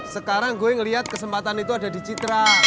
sekarang gue ngeliat kesempatan itu ada di citra